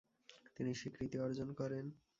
তিনি স্বীকৃতি অর্জন করেন।